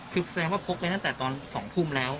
คือแสดงว่าพกไปตั้งแต่ตอน๒ทุ่มแล้ว